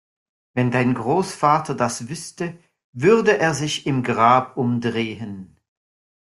Wenn dein Großvater das wüsste, würde er sich im Grab umdrehen!